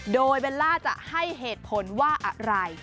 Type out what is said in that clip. โดยเบลล่าจะให้เหตุผลว่าอะไร